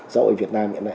xã hội việt nam hiện nay